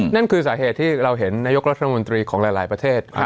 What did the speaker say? นั่นคือสาเหตุที่เราเห็นนายกรัฐมนตรีของหลายประเทศ